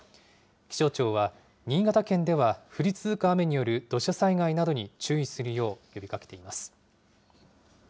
気象庁は新潟県では降り続く雨による土砂災害などに注意するよう呼びかけています。